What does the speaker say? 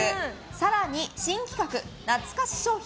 更に新企画、懐かし商品！